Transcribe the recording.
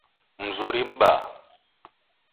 M'zuri M'baa.